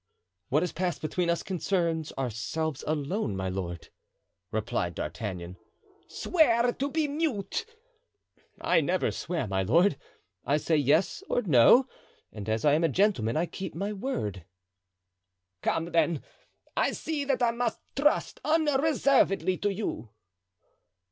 "What has passed between us concerns ourselves alone, my lord," replied D'Artagnan. "Swear to be mute." "I never swear, my lord, I say yes or no; and, as I am a gentleman, I keep my word." "Come, then, I see that I must trust unreservedly to you."